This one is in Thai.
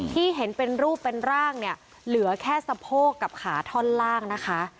ที่เห็นเป็นรูปเป็นร่างเนี่ยเหลือแค่สะโพกกับขาท่อนล่างนะคะ